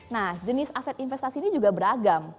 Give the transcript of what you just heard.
nah jenis aset investasi ini juga beragam